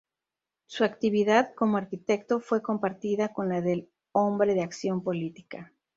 Su actividad como arquitecto fue compartida con la del hombre de acción política.